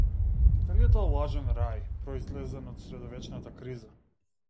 Дали е тоа лажен рај, произлезен од средовечната криза?